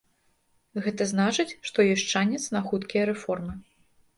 Гэта значыць, што ёсць шанец на хуткія рэформы.